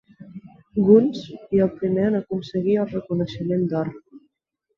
Guns, i el primer en aconseguir el reconeixement d'or.